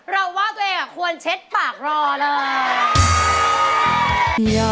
เราว่าตัวเองควรเช็ดปากรอเลย